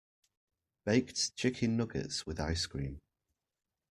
Baked chicken nuggets, with ice cream.